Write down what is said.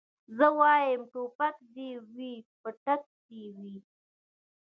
زه وايم ټوپک دي وي پتک دي وي